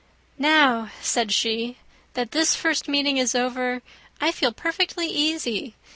"Now," said she, "that this first meeting is over, I feel perfectly easy.